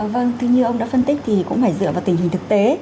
vâng tư nhiên ông đã phân tích thì cũng phải dựa vào tình hình thực tế